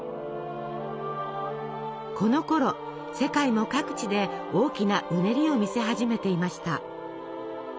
このころ世界も各地で大きなうねりを見せ始めていました。